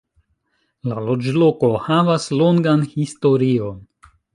La loĝloko havas longan historion.